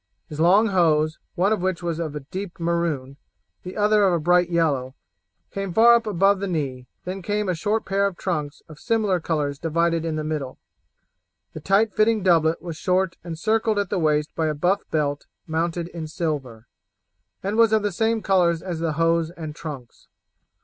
His long hose, one of which was of a deep maroon, the other a bright yellow, came far up above the knee, then came a short pair of trunks of similar colours divided in the middle. The tight fitting doublet was short and circled at the waist by a buff belt mounted in silver, and was of the same colours as the hose and trunks.